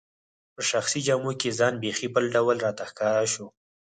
په شخصي جامو کي ځان بیخي بل ډول راته ښکاره شو.